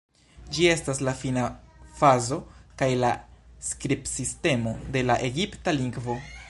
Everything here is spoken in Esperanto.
Ĝi estas la fina fazo kaj la skribsistemo de la egipta lingvo.